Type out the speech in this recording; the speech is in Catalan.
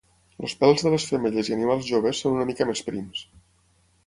Els pèls de les femelles i animals joves són una mica més prims.